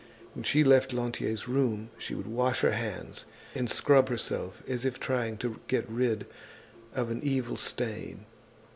When she left Lantier's room she would wash her hands and scrub herself as if trying to get rid of an evil stain.